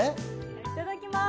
いただきます。